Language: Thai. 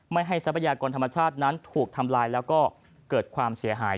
ไม่ให้ทรัพยากรธรรมชาตินั้นถูกทำลายแล้วก็เกิดความเสียหาย